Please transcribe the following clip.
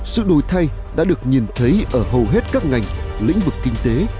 sự đổi thay đã được nhìn thấy ở hầu hết các ngành lĩnh vực kinh tế